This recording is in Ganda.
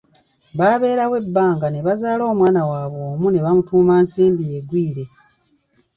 Babeerawo ebbanga ne bazaala omwana waabwe omu nebamutuuma Nsimbi Egwire.